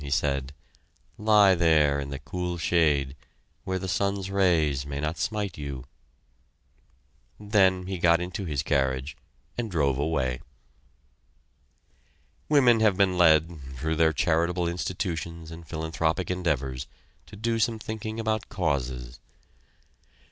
he said. "Lie there, in the cool shade, where the sun's rays may not smite you!" Then he got into his carriage and drove away. Women have been led, through their charitable institutions and philanthropic endeavors, to do some thinking about causes.